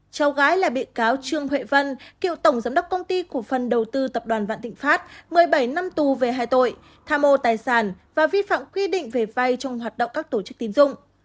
cháu gái là bị cáo trương huệ vân cựu tổng giám đốc công ty cổ phần đầu tư tập đoàn vạn thịnh pháp một mươi bảy năm tù về hai tội tham mô tài sản và vi phạm quy định về vay trong hoạt động các tổ chức tín dụng